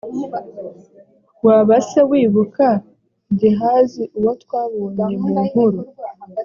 waba se wibuka gehazi uwo twabonye mu nkuru